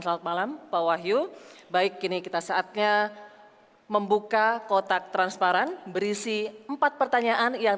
selamat malam pak wahyu baik kini kita saatnya membuka kotak transparan berisi empat pertanyaan yang